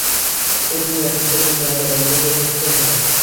প্রতিদিন, একেকটা দিন, বারবার, আমি বর্বরতার শিকার হতাম।